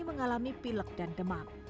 mengalami pilek dan demam